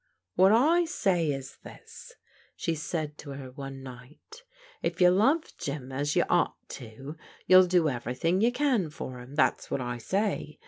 "What I say is this," she said to her one night, if you love Jim as you ought to, you'll do everything you can for him, that's what I say.